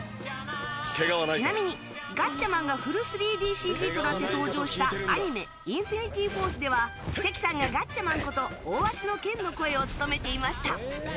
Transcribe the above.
ちなみにガッチャマンがフル３ＤＣＧとなって登場したアニメ「Ｉｎｆｉｎｉ‐ＴＦｏｒｃｅ」では関さんがガッチャマンこと大鷲の健の声を務めていました。